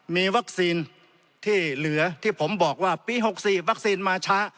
มีวัคซีนที่เหลือที่ผมบอกว่าปี๖๔วัคซีนมาช้า